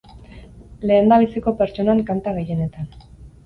Lehendabiziko pertsonan kanta gehienetan.